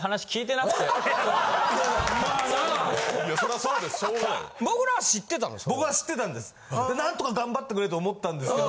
なんとか頑張ってくれと思ったんですけど